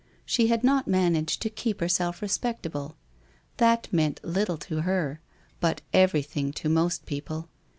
She had not managed to keep herself respectable.' That meant little to her, but everything to most people.